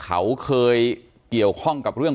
การแก้เคล็ดบางอย่างแค่นั้นเอง